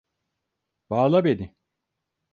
Bağla beni.